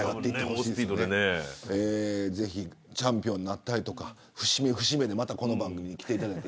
ぜひチャンピオンになったりとか節目節目にこの番組に来ていただいて。